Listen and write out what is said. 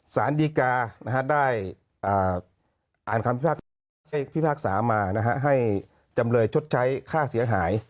สารดีกาได้อ่านคำพิพากษามาให้จำเลยชดใช้ค่าเสียหาย